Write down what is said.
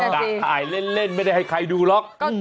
อ่ะถ่ายเล่นไม่ได้ให้ใครดูหรอก